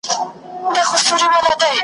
لکه د تللیو زړو یارانو .